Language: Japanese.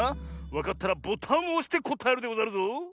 わかったらボタンをおしてこたえるでござるぞ。